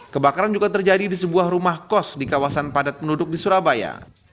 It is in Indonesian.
kebakaran juga terjadi di sebuah rumah kos di kawasan padat penduduk di surabaya